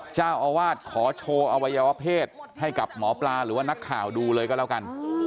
เจ้าอาวาสขอโชว์อวัยวเพศให้กับหมอปลาหรือว่านักข่าวดูเลยก็แล้วกัน